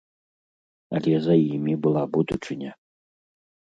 Але за імі была будучыня!